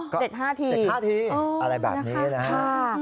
เด็ก๕ทีเด็ก๕ทีอะไรแบบนี้นะครับนะครับ